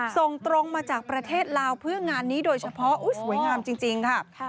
ส่งตรงมาจากประเทศลาวเพื่องานนี้โดยเฉพาะสวยงามจริงค่ะ